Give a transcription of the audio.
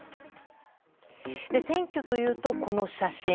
選挙というと、この写真。